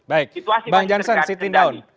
baik bang jansen sitting down